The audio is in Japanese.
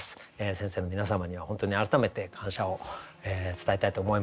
先生の皆様には本当に改めて感謝を伝えたいと思います。